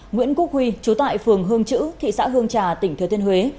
nguyễn quốc huy trú tại phường hương chữ thị xã hương trà tỉnh thừa thiên huế